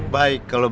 baik kalau begitu